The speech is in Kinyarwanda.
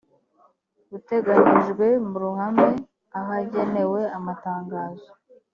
uteganyijwe mu ruhame ahagenewe amatangazo